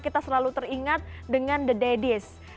kita selalu teringat dengan the daddies